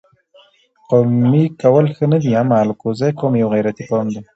قومي کول ښه نه دي اما الکوزی قوم یو غیرتي قوم دي